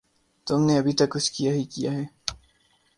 تم نے ابھے تک کچھ کیا ہی کیا ہے